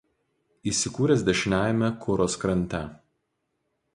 Įsikūręs dešiniajame Kuros krante.